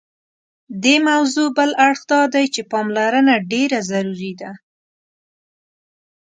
دې موضوع بل اړخ دادی چې پاملرنه ډېره ضروري ده.